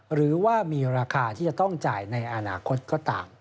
หรือว่ามีราคาที่จะต้องจ่ายในอนาคตก็ตาม